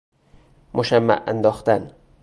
مشمع انداختن